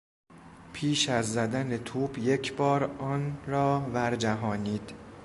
پیش از زدن توپ یکبار آن را ورجهانید.